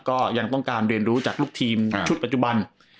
ก็ยังต้องการเรียนรู้จากลูกทีมชุดปัจจุบัน